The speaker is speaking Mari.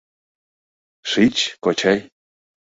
— Шич, кочай!